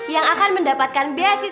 yang akan mendapatkan beasiswa